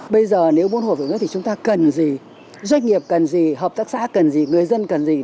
bây giờ nếu muốn hỗ trợ thì chúng ta cần gì doanh nghiệp cần gì hợp tác xã cần gì người dân cần gì